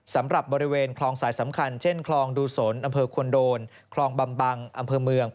สำหรับบริเวณคลองสายสำคัญเช่นคลองดูสนอำเภอควนโดนคลองบำบังอำเภอเมือง